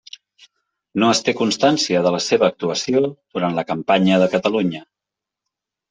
No es té constància de la seva actuació durant la campanya de Catalunya.